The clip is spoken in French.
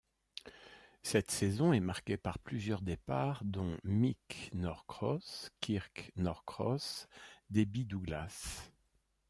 Cette saison est marquée par plusieurs départs dont: Mick Norcross, Kirk Norcross, Debbie Douglas.